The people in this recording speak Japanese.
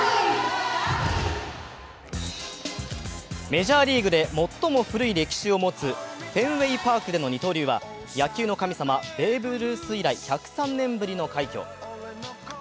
メジャーリーグで最も古い歴史を持つフェンウェイ・パークでの二刀流は野球の神様、ベーブ・ルース以来１０３年ぶりの快挙。